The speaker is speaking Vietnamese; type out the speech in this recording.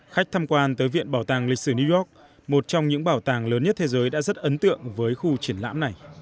khách tham quan tới viện bảo tàng lịch sử new york một trong những bảo tàng lớn nhất thế giới đã rất ấn tượng với khu triển lãm này